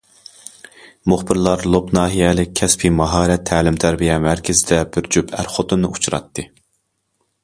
مۇخبىرلار لوپ ناھىيەلىك كەسپىي ماھارەت تەلىم- تەربىيە مەركىزىدە بىر جۈپ ئەر- خوتۇننى ئۇچراتتى.